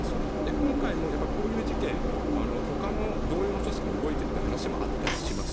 今回もこういう事件ほかの同様の組織も動いているという話もあったりします。